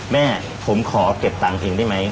แม่ผมขอเก็บตังค์เองได้ไหม